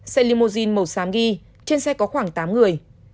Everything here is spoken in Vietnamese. xe limousine màu xám ghi trên xe có khoảng tám người